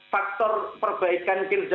faktor perbaikan kinerja